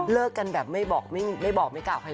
เลิกกันแบบไม่บอกไม่กล่าวใครเลย